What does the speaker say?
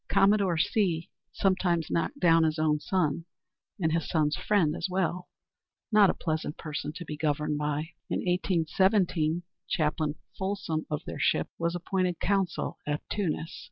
Commodore C sometimes knocked down his own son, and his son's friend as well, not a pleasant person to be governed by. In 1817, Chaplain Folsom of their ship was appointed consul at Tunis.